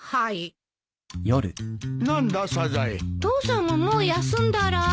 父さんももう休んだら？